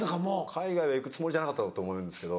海外は行くつもりじゃなかったんだと思うんですけど。